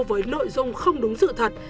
với nội dung không đúng sự thật